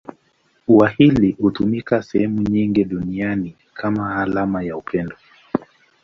Ua hili hutumika sehemu nyingi duniani kama alama ya upendo.